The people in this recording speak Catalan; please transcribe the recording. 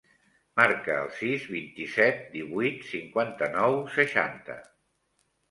Marca el sis, vint-i-set, divuit, cinquanta-nou, seixanta.